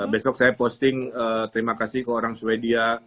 besok saya posting terima kasih ke orang swedia